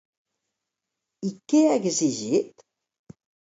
I què ha exigit?